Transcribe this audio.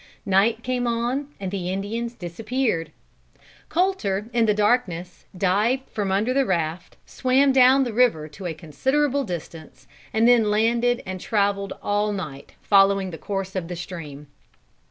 Night came on, and the Indians disappeared. Colter, in the darkness, dived from under the raft, swam down the river to a considerable distance, and then landed and traveled all night, following the course of the stream.